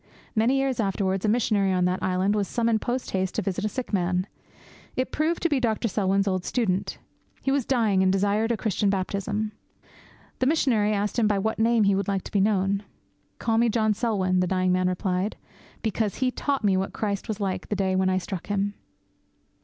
Many years afterwards a missionary on that island was summoned post haste to visit a sick man. It proved to be Dr. Selwyn's old student. He was dying, and desired Christian baptism. The missionary asked him by what name he would like to be known. 'Call me John Selwyn,' the dying man replied, 'because he taught me what Christ was like that day when I struck him.'